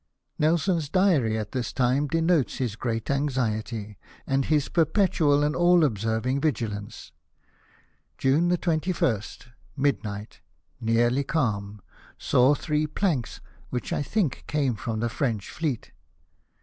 Nelson's diary at this time denotes his great anxiety, and his perpetual and all observing vigilance. —" June 21. Midnight, nearly calm, saw three planks, which I think came from the French fleet.